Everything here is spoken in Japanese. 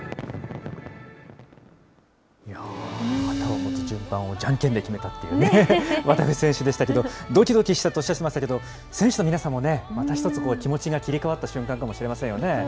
旗を持つ順番をじゃんけんで決めたっていうね、渡部選手でしたけど、どきどきしたとおっしゃってましたけど、選手の皆さんもね、また一つ、気持ちが切り替わった瞬間かもしれませんよね。